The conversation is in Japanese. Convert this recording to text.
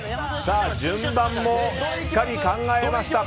順番もしっかり考えました。